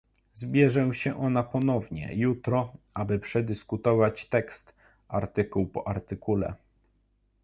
Zbierze się ona ponownie jutro, aby przedyskutować tekst artykuł po artykule